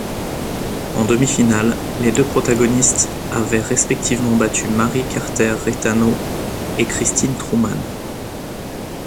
En demi-finale, les deux protagonistes avaient respectivement battu Mary Carter Reitano et Christine Truman.